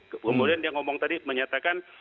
kemudian dia ngomong tadi menyatakan